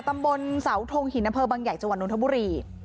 ตำบลสาวทงหินเทพบังใหญ่จวันนุธบุรี